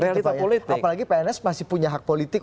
realitas politik apalagi pns masih punya hak politik